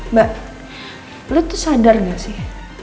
mbak lut tuh sadar gak sih